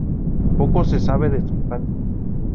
Poco se sabe de su infancia.